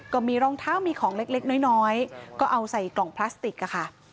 ก็มีรองเท้ามีของเล็กน้อยก็เอาใส่กล่องพลาสติกอะค่ะ